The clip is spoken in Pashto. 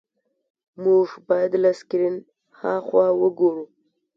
موږ باید له سکرین هاخوا وګورو.